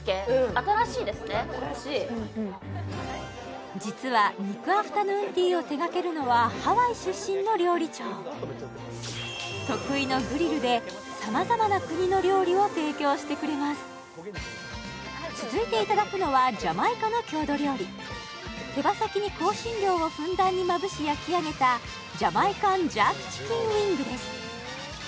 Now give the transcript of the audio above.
新しい実は肉アフタヌーンティーを手がけるのはハワイ出身の料理長得意のグリルでさまざまな国の料理を提供してくれます続いていただくのはジャマイカの郷土料理手羽先に香辛料をふんだんにまぶし焼き上げたジャマイカンジャークチキンウイングです